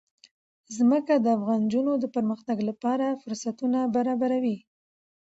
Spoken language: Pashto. ځمکه د افغان نجونو د پرمختګ لپاره فرصتونه برابروي.